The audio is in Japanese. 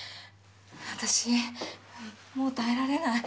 私もう耐えられない。